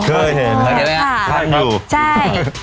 เคยเห็น